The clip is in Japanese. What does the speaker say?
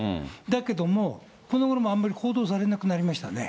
だけども、このごろあんまり報道されなくなりましたね。